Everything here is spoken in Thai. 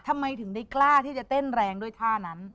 ทำไมถึงได้กล้าที่จะเต้นแรงด้วยท่านั้น